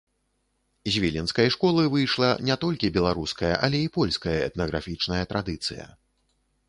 З віленскай школы выйшла не толькі беларуская, але і польская этнаграфічная традыцыя.